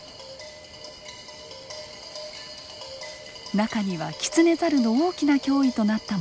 中にはキツネザルの大きな脅威となったものもいます。